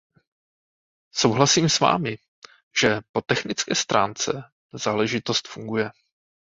Souhlasím s Vámi, že po technické stránce záležitost funguje.